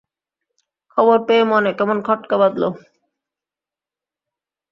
খবর পেয়ে মনে কেমন খটকা বাঁধল।